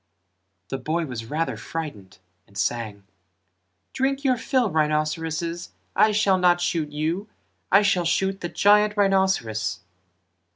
The boy was rather frightened and sang "Drink your fill, rhinceroses, I shall not shoot you I shall shoot the giant rhinceros."